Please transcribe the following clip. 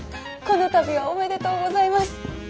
この度はおめでとうございます。